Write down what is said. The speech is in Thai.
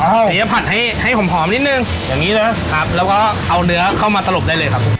อ้าวเดี๋ยวผัดให้ให้หอมหอมนิดหนึ่งอย่างนี้เลยครับครับแล้วก็เอาเนื้อเข้ามาตลบได้เลยครับ